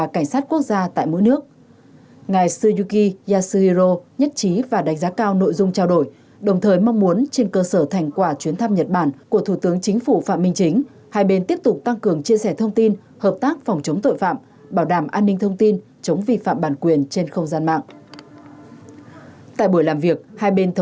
cảnh sát quốc gia nhật bản đang ngày càng phát triển mạnh mẽ trên các lĩnh vực chia sẻ thông tin trao đổi kinh nghiệm công tác hợp tác đào tạo cán bộ